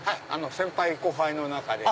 先輩後輩の仲で。